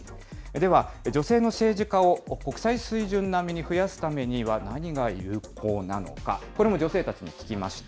では、女性の政治家を国際水準並みに増やすためには、何が有効なのか、これも女性たちに聞きました。